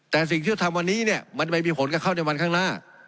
แต่สิ่งที่เราทำวันนี้เนี่ยมันไม่มีผลกับเขาในวันข้างหน้า